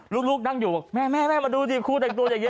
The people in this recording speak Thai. ลูกนั่งอยู่แม่มาดูจริงครูเด็กตัวอย่างนี้